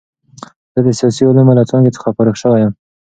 زه د سیاسي علومو له څانګې څخه فارغ شوی یم.